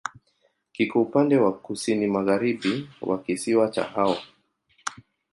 Kiko upande wa kusini-magharibi wa kisiwa cha Hao.